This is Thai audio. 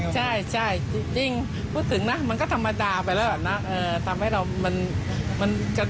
ใช่จริงพูดถึงนะมันก็ธรรมดาไปแล้วนะทำให้เรามันจะ